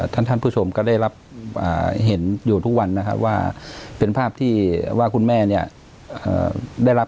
ท่านท่านผู้ชมก็ได้รับเห็นอยู่ทุกวันนะครับว่าเป็นภาพที่ว่าคุณแม่เนี่ยได้รับ